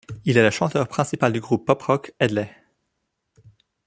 Il est le chanteur principal du groupe pop rock Hedley.